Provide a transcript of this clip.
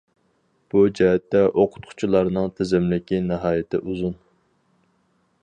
بۇ جەھەتتە ئۇتقۇچىلارنىڭ تىزىملىكى ناھايىتى ئۇزۇن.